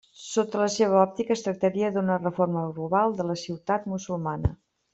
Sota la seva òptica es tractaria, d'una reforma global de la ciutat musulmana.